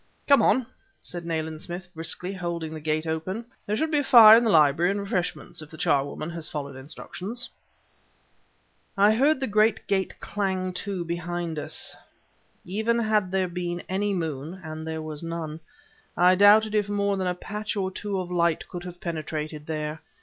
"Come on!" said Nayland Smith briskly, holding the gate open; "there should be a fire in the library and refreshments, if the charwoman has followed instructions." I heard the great gate clang to behind us. Even had there been any moon (and there was none) I doubted if more than a patch or two of light could have penetrated there.